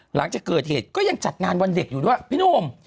หลังจากเกิดเหตุก็ยังจัดงานวันเด็กอยู่ด้วยพี่หนุ่ม